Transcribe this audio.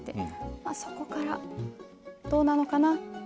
まあそこからどうなのかな？